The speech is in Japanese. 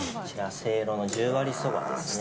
せいろの十割そばですね。